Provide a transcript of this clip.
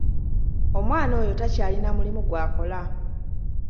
Omwana oyo takyalina mulimu gw'akola.